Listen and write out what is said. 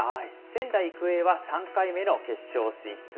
仙台育英は３回目の決勝進出。